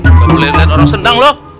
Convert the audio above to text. nggak boleh liat orang sendang lu